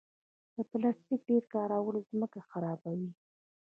د پلاستیک ډېر کارول ځمکه خرابوي.